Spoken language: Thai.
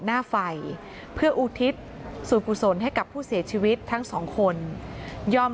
หน้าไฟเพื่ออุทิศส่วนกุศลให้กับผู้เสียชีวิตทั้งสองคนยอม